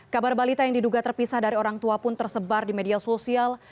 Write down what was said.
kabar balita yang diduga terpisah dari orang tua pun tersebar di media sosial